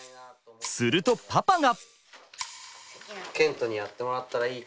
するとパパが。